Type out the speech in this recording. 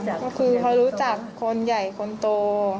ก็คือเขารู้จักคนใหญ่คนโต